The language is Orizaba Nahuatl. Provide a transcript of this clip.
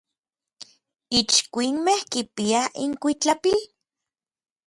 ¿Itskuinmej kipiaj inkuitlapil?